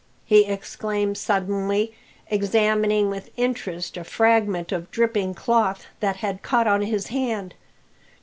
he exclaimed suddenly, examining with interest a fragment of dripping cloth that had caught on his hand.